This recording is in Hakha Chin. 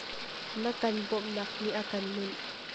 Na kan bawmhnak nih a kan nunh.